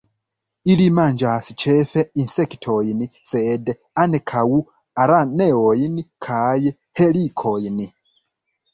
Ili manĝas ĉefe insektojn, sed ankaŭ araneojn kaj helikojn.